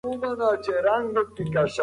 منثور لیکنه د اوږدې مطالعې وړ ده.